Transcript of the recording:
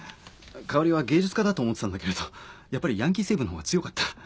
佳織は芸術家だと思ってたんだけれどやっぱりヤンキー成分の方が強かった。